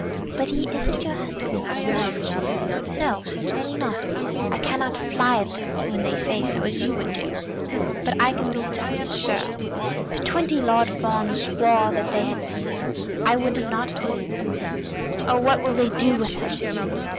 "But he isn't your husband, Madame Max." "No; certainly not. I cannot fly at them, when they say so, as you would do. But I can be just as sure. If twenty Lord Fawns swore that they had seen it, I would not believe them. Oh, God, what will they do with him!"